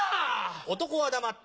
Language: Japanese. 男は黙って。